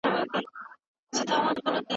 ملتونه به ګډي ناستي جوړوي.